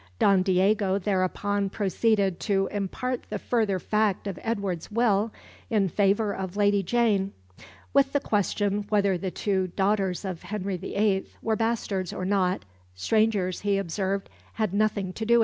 Don Diego thereupon proceeded to impart the further fact of Edward's will in favour of Lady Jane. With the question whether the two daughters of Henry VIII. were bastards or not, strangers, he observed, had nothing to do.